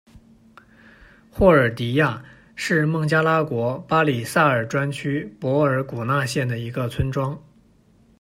霍尔迪亚，是孟加拉国巴里萨尔专区博尔古纳县的一个村庄。